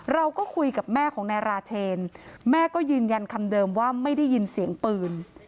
เราก็คุยกับแม่ของนายราเชนแม่ก็ยืนยันคำเดิมว่าไม่ได้ยินเสียงปืน